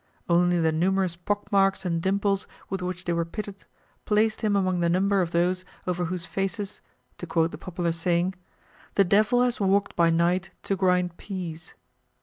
Only the numerous pockmarks and dimples with which they were pitted placed him among the number of those over whose faces, to quote the popular saying, "The Devil has walked by night to grind peas."